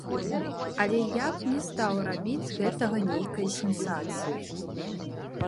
Але я б не стаў рабіць з гэтага нейкай сенсацыі.